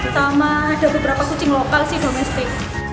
sama ada beberapa kucing lokal sih domestik